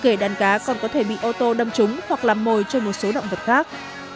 kể đàn cá còn có thể bị ô tô đâm trúng hoặc làm mồi trên một số động vật khác